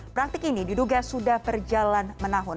praktik ini diduga sudah berjalan menahun